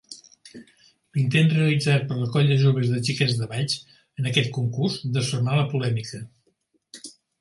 L'intent realitzat per la Colla Joves Xiquets de Valls en aquest concurs desfermà la polèmica.